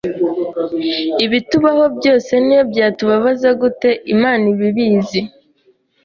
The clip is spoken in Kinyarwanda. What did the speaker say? ibitubaho byose n’iyo byatubabaza gute? Imana iba ibizi